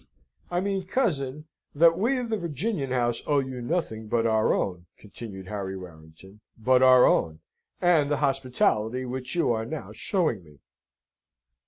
"I mean, cousin, that we of the Virginian house owe you nothing but our own," continued Harry Warrington; "but our own, and the hospitality which you are now showing me."